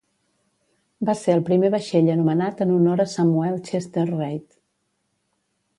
Va ser el primer vaixell anomenat en honor a Samuel Chester Reid.